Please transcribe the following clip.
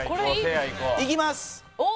いきます！